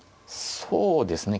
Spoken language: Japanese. そうですね。